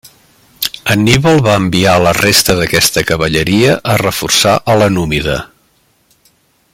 Anníbal va enviar la resta d'aquesta cavalleria a reforçar a la númida.